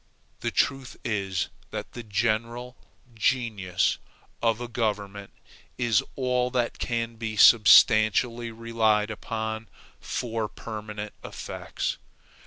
The truth is that the general GENIUS of a government is all that can be substantially relied upon for permanent effects.